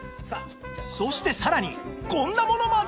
そしてさらにこんなものまで！